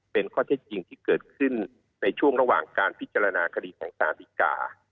เป็นข้อเท็จจริงที่เกิดขึ้นในช่วงระหว่างการพิจารณาคดีของสารดีกา